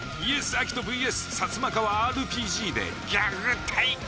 アキトｖｓサツマカワＲＰＧでギャグ対決。